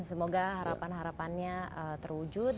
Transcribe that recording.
semoga harapan harapannya terwujud